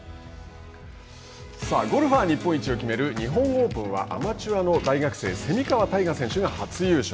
ゴルフは日本一を決める日本オープンはアマチュアの大学生蝉川泰果選手が初優勝。